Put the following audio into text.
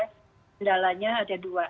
kendalanya ada dua